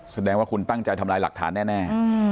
แสดงว่าคุณตั้งใจทำลายหลักฐานแน่